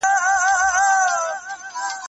د سندرغاړو لپاره